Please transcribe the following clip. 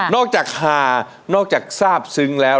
จากฮานอกจากทราบซึ้งแล้ว